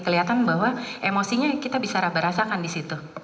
kelihatan bahwa emosinya kita bisa berasakan di situ